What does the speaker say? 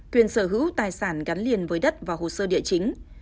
quyền sở hữu tài sản gắn liền với đất và hồ sơ địa chính